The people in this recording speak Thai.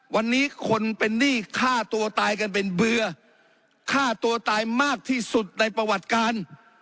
วันนี้คนเป็นหนี้ฆ่าตัวตายกันเป็นเบื่อฆ่าตัวตายมากที่สุดในประวัติการ